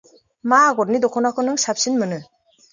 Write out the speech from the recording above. मा आगरनि दख'नाखौ नों साबसिन मोनो?